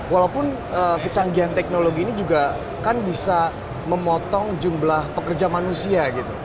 walaupun kecanggihan teknologi ini juga kan bisa memotong jumlah pekerja manusia gitu